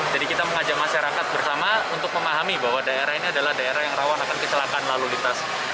jadi kita mengajak masyarakat bersama untuk memahami bahwa daerah ini adalah daerah yang rawan akan kecelakaan lalu lintas